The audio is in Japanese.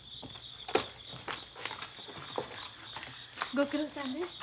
ご苦労さんでした。